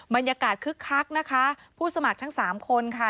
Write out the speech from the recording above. บรรยากาศคึกคักนะคะผู้สมัครทั้ง๓คนค่ะ